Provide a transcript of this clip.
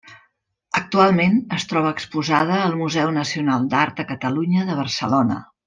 Actualment es troba exposada al Museu Nacional d'Art de Catalunya de Barcelona.